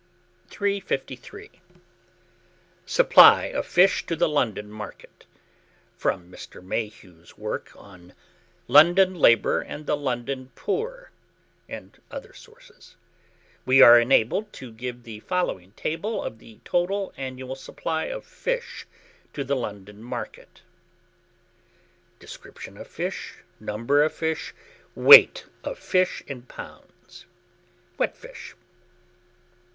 353. SUPPLY OF FISH TO THE LONDON MARKET. From Mr. Mayhew's work on "London Labour and the London Poor," and other sources, we are enabled to give the following table of the total annual supply of fish to the London market: Description of Fish. Number of Weight of Fish Fish in lbs WET FISH.